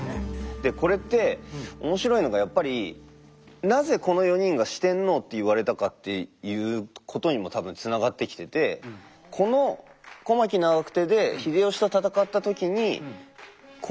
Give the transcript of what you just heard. でこれって面白いのがやっぱりなぜこの４人が四天王って言われたかっていうことにも多分つながってきててこのという説があるぐらい。